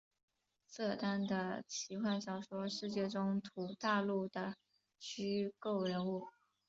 瑟丹的奇幻小说世界中土大陆的虚构人物。